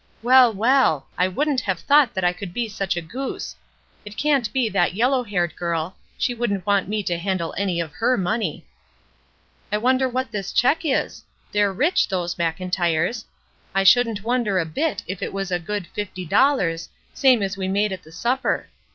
Well, well! I wouldn't have thought that I could be such a goose. It can't be that yellow haired girl — she wouldn't want me to handle any of her money. *' I wonder what this check is ? They're rich, those Mclntyres. I shouldn't wonder a bit if it was a good fifty dollars, same as we made at the supper.